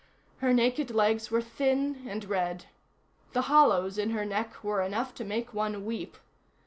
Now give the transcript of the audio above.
Her naked legs were thin and red. The hollows in her neck were enough to make one weep.